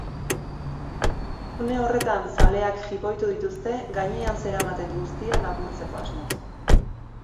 Une horretan zaleak jipoitu dituzte gainean zeramaten guztia lapurtzeko asmoz.